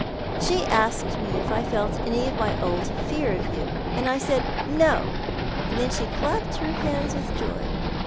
"She asked me if I felt any of my old fear of you, and I said No, and then she clapped her hands with joy.